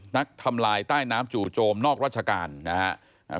ทำลายใต้น้ำจู่โจมนอกราชการนะครับ